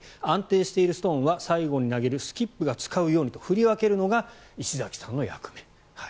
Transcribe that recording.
安定してるストーンは最後に投げるスキップが使うようにと、振り分けるのが石崎さんの役目。